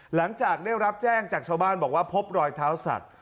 หลังจากได้รับแจ้งจากชาวบ้านบอกว่าพบรอยเท้าสัตว